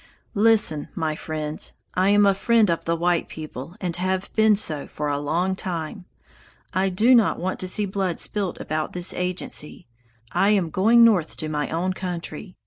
"Listen, my friends, I am a friend of the white people and have been so for a long time. I do not want to see blood spilt about this agency. I am going north to my own country.